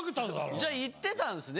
じゃあ行ってたんですね？